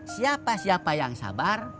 siapa siapa yang sabar